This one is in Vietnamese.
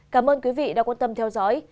cảm ơn quý vị đã quan tâm theo dõi